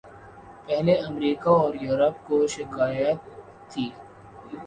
پہلے امریکہ اور یورپ کو شکایت تھی۔